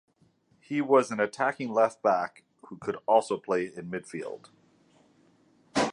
He was an attacking left back who could also play in midfield.